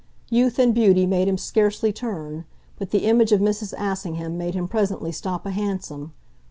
Youth and beauty made him scarcely turn, but the image of Mrs. Assingham made him presently stop a hansom.